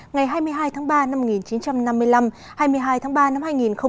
ngày hai mươi hai tháng ba năm một nghìn chín trăm năm mươi năm hai mươi hai tháng ba năm hai nghìn hai mươi